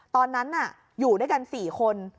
ตอนนั้นอยู่ด้วยกัน๔คน